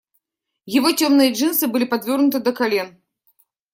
Его темные джинсы были подвёрнуты до колен.